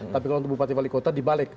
tapi kalau untuk bupati wali kota dibalik